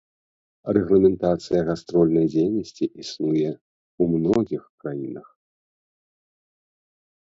Рэгламентацыя гастрольнай дзейнасці існуе ў многіх краінах.